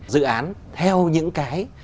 dự án theo những cái